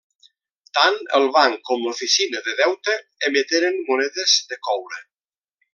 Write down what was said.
Tant el Banc com l'Oficina de Deute emeteren monedes de coure.